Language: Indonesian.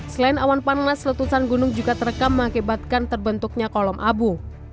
selain awan panas letusan gunung juga terekam mengakibatkan terbentuknya kolom abu